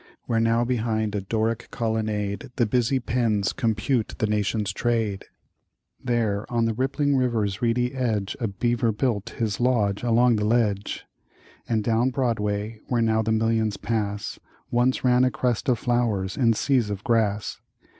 Where now behind a Doric colonnadeThe busy pens compute the nation's trade, There on the rippling river's reedy edgeA beaver built his lodge along the ledge:And down Broadway, where now the millions pass, Once ran a crest of flowers in seas of grass.